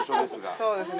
そうですね。